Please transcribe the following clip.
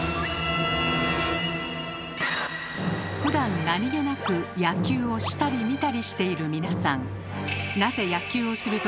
ふだん何気なく野球をしたり見たりしている皆さん。